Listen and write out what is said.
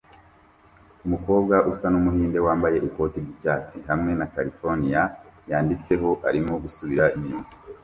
Umukobwa usa numuhinde wambaye ikoti ryicyatsi hamwe na Californiya yanditseho arimo gusubira inyuma